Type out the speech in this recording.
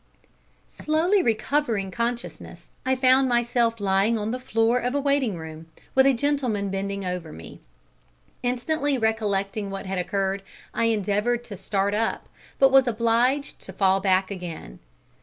Slowly recovering consciousness, I found myself lying on the floor of a waiting room, with a gentleman bending over me. Instantly recollecting what had occurred, I endeavoured to start up, but was obliged to fall back again.